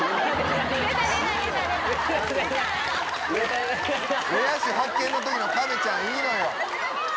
レア種発見の時の亀ちゃんいいのよ。